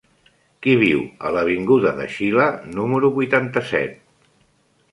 Qui viu a l'avinguda de Xile número vuitanta-set?